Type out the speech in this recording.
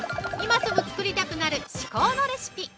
今すぐ作りたくなる至高のレシピ。